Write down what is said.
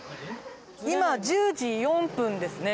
今１０時４分ですね。